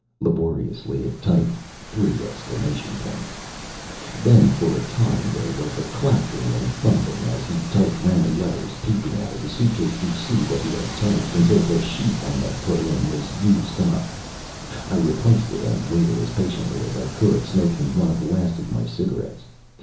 Laboriously it typed: !!! Then, for a time, there was a clacking and thumping as he typed random letters, peeping out of the suitcase to see what he had typed, until the sheet I had put in was used up. I replaced it and waited, as patiently as I could, smoking one of the last of my cigarettes.